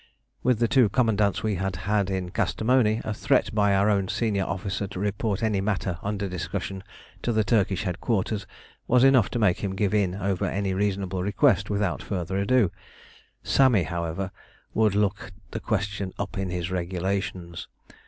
With the two commandants we had had in Kastamoni, a threat by our own senior officer to report any matter under discussion to the Turkish Headquarters was enough to make him give in over any reasonable request without further ado. Sami, however, would look the question up in his Regulations.